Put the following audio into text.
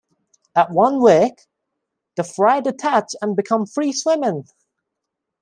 At one week, the fry detach and become free-swimming.